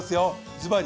ずばり！